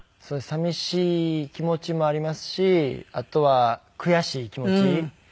寂しい気持ちもありますしあとは悔しい気持ち。